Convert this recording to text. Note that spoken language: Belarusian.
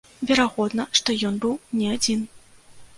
Верагодна, што ён быў не адзін.